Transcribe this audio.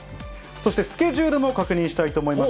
そしてスケジュールも確認したいと思います。